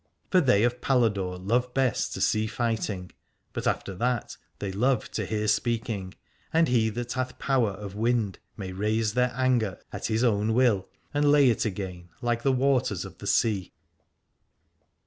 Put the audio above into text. For they of Paladore love best to see fighting, but after that they love to hear speaking, and he that hath power of wind may raise their anger at his own will and lay it again, like the waters of the sea.